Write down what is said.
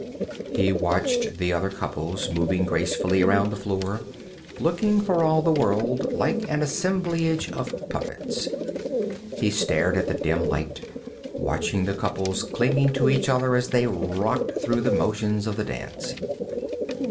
He watched the other couples moving gracefully around the floor, looking for all the world like an assemblage of puppets. He stared in the dim light, watching the couples clinging to each other as they rocked through the motions of the dance.